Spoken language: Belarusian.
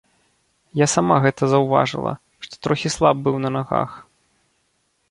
Я сама гэта заўважыла, што трохі слаб быў на нагах.